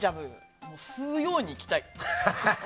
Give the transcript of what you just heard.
吸うようにいきたい。